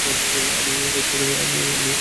আমি যাইতে দিব না।